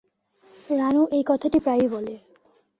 রানু এই কথাটি প্রায়ই বলে।